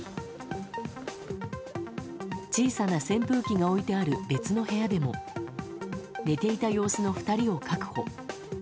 小さな扇風機が置いてある別の部屋でも寝ていた様子の２人を確保。